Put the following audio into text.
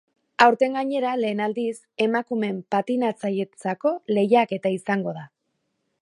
Aurten gainera, lehen aldiz, emakumen patinatzaileentzako lehiaketa izango da.